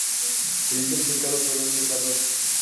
Se dice el pecado pero no el pecador